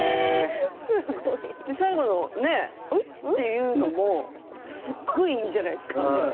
最後のん？というのもすごい、いいじゃないですか。